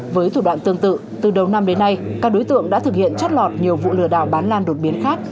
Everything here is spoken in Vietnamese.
với thủ đoạn tương tự từ đầu năm đến nay các đối tượng đã thực hiện chót lọt nhiều vụ lừa đảo bán lan đột biến khác